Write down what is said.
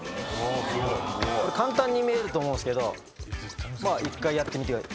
これ簡単に見えると思うんですけど１回やってみて。